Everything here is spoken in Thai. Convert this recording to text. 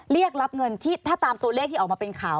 เรียกรับเงินที่ถ้าตามตัวเลขที่ออกมาเป็นข่าว